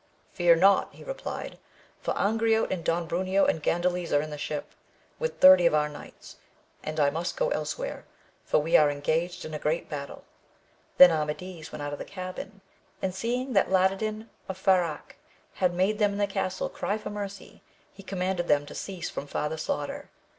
Fear not, he replied ; for Angriote and Don Bruneo, and Grandales are in the ship, with thirty of our knights, and I must go elsewhere, for we are engaged in a great battle. Then Amadis went out of the cabin, and seeing that Ladadin of Fajarque had made them in the castle cry for mercy, he commanded them to cease from farther slaughter.